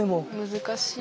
難しい。